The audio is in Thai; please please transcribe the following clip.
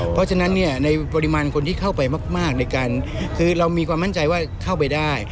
เพราะฉะนั้นเนี่ยในปริมาณคนที่เข้าไปมากในการคือเรามีความมั่นใจว่าเข้าไปได้